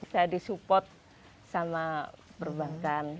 saya disupport sama perbankan